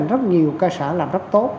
rất nhiều ca sở làm rất tốt